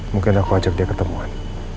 mungkin aku ajak dia ketemuan